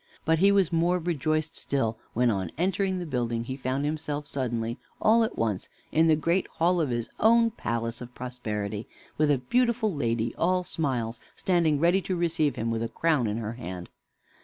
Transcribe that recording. But he was more rejoiced still when, on entering the building, he found himself suddenly, all at once, in the great hall of his own palace of Prosperity, with a beautiful lady, all smiles, standing ready to receive him with a crown in her hand.